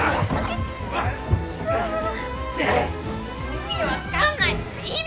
意味わかんない！